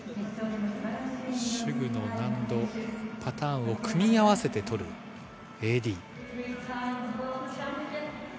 手具の難度、パターンを組み合わせて取るＡＤ。